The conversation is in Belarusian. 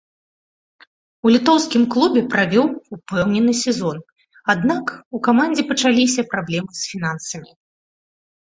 У літоўскім клубе правёў упэўнены сезон, аднак у камандзе пачаліся праблемы з фінансамі.